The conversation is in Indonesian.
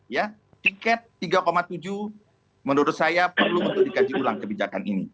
ya tiket tiga tujuh menurut saya perlu untuk dikaji ulang kebijakan ini